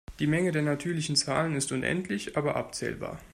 Die Menge der natürlichen Zahlen ist unendlich aber abzählbar.